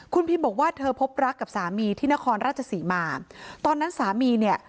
คุณพิมบอกว่าเธอพบรักกับสามีที่นครราชศรีมาตอนนั้นสามีเนี่ย